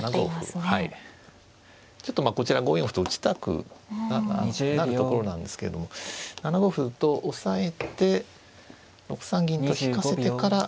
ちょっとまあこちら５四歩と打ちたくなるところなんですけれども７五歩と押さえて６三銀と引かせてから。